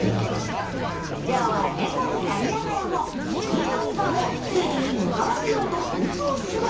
ジョーは猫になりながらも２２番をステージに向かわせようと奮闘する。